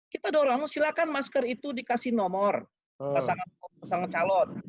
kita dorong silakan masker itu dikasih nomor pasangan calon